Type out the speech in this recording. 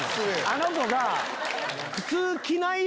あの子が。